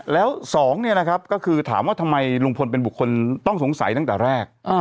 แล้วสองเนี่ยนะครับก็คือถามว่าทำไมลุงพลเป็นบุคคลต้องสงสัยตั้งแต่แรก